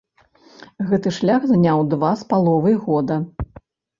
Гэты шлях заняў два з паловай года.